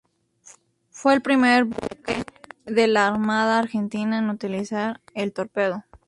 Fue el primer buque de la Armada Argentina en utilizar el torpedo.